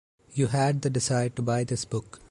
You had the desire to buy this book.